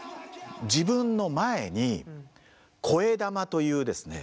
自分の前に声玉というですね。